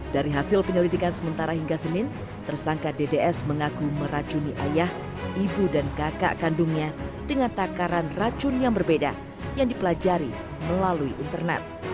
dari hasil penyelidikan sementara hingga senin tersangka dds mengaku meracuni ayah ibu dan kakak kandungnya dengan takaran racun yang berbeda yang dipelajari melalui internet